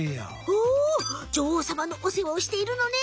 お女王さまのお世話をしているのね！